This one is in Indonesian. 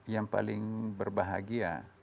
yang paling berbahagia